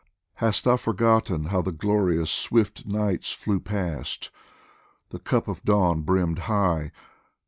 Hast thou forgotten how the glorious Swift nights flew past, the cup of dawn brimmed high